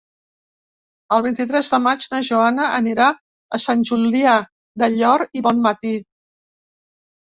El vint-i-tres de maig na Joana anirà a Sant Julià del Llor i Bonmatí.